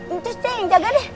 incus aja yang jaga deh